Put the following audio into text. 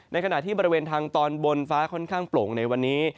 ในขณะที่บริเวณทางตอนบนฟ้าค่อนข้างโปร่งในวันนี้